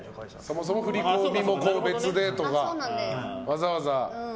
そもそも振り込みも別でとかわざわざ。